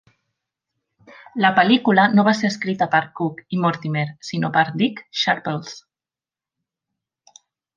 La pel·lícula no va ser escrita per Cooke i Mortimer, sinó per Dick Sharples.